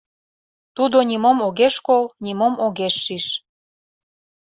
Тудо нимом огеш кол, нимом огеш шиж.